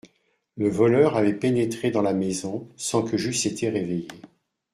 Le voleur avait pénétré dans la maison sans que j’eusse été réveillé.